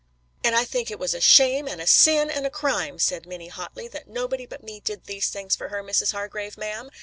"And I think it was a shame and a SIN and a CRIME," said Minnie hotly, "that nobody but me did these things for her, Mrs. Hargrave, ma'am!